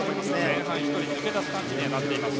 前半１人抜け出す感じになっています。